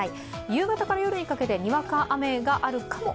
夕方から夜にかけてにわか雨があるかも？